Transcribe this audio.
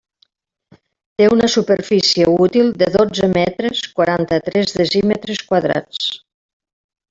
Té una superfície útil de dotze metres, quaranta-tres decímetres quadrats.